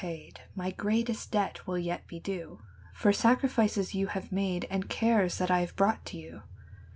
'* 7^0 My greatest debt will yet be due For sacrifices you bave made And cares that I have brought to you.